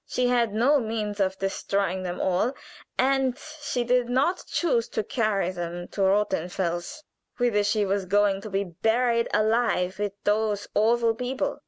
She had no means of destroying them all, and she did not choose to carry them to Rothenfels, whither she was going to be buried alive with those awful people.